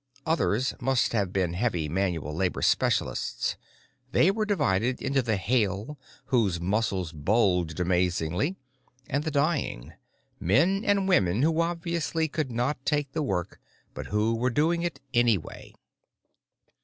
Others must have been heavy manual labor specialists. They were divided into the hale, whose muscles bulged amazingly, and the dying—men and women who obviously could not take the work but who were doing it anyway.